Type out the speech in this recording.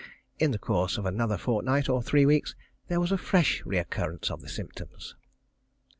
In the course of another fortnight or three weeks there was a fresh recurrence of the symptoms.